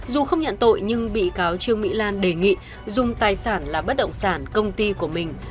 dù không nhận tội nhưng bị cáo trương mỹ lan đề nghị dùng tài sản là bất động sản công ty của mình